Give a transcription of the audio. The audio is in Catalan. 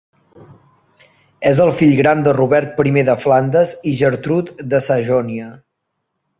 Era el fill gran de Robert I de Flandes i de Gertrude de Sajonia.